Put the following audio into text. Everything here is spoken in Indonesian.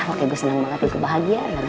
oke gue seneng banget aku bahagia